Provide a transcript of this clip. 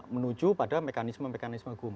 menuju pada mekanisme mekanisme hukum